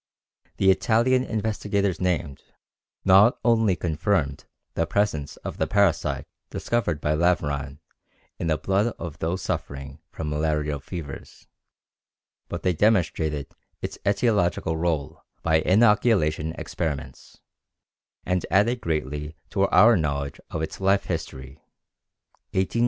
The Italian investigators named not only confirmed the presence of the parasite discovered by Laveran in the blood of those suffering from malarial fevers, but they demonstrated its etiological rôle by inoculation experiments and added greatly to our knowledge of its life history (1883 1898).